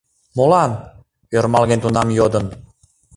— Молан? — ӧрмалген тунам йодын.